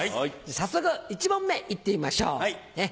早速１問目いってみましょう。